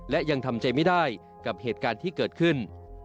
และยังทำใจไม่ได้กับเหตุการณ์ที่เกิดขึ้น